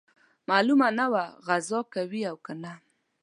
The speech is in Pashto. معلومه نه وه غزا کوي او کنه.